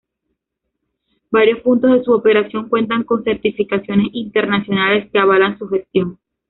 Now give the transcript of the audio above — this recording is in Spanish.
Varios puntos de su operación cuentan con certificaciones internacionales que avalan su gestión.